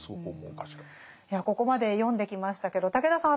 いやここまで読んできましたけど武田さん